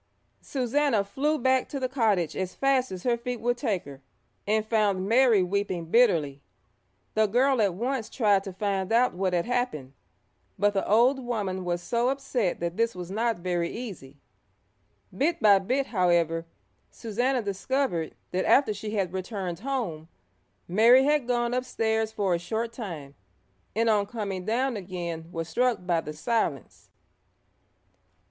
Susannah flew back to the cottage as fast as her feet would take her, and found Mary weeping bitterly. The girl at once tried to find out what had happened, but the old woman was so upset that this was not very easy. Bit by bit, however, Susannah discovered that after she had returned home, Mary had gone upstairs for a short time, and on coming down again was struck by the silence.